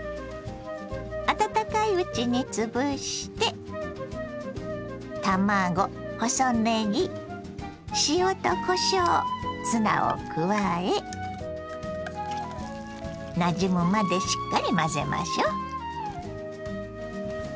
温かいうちにつぶして卵細ねぎ塩とこしょうツナを加えなじむまでしっかり混ぜましょう。